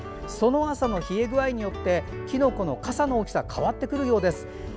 その朝の冷え具合によってきのこのかさの大きさが変わってくるようです。